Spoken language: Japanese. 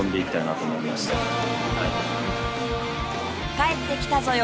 『帰ってきたぞよ！